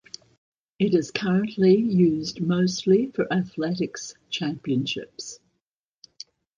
It is currently used mostly for athletics championships.